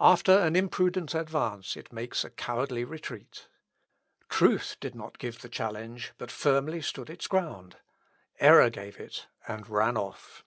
After an imprudent advance it makes a cowardly retreat. Truth did not give the challenge, but firmly stood its ground. Error gave it, and ran off.